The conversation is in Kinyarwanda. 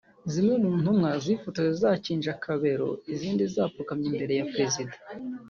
zimwe mu Ntumwa zifotoje zakinje akabero izindi zipfukamye imbere ya Perezida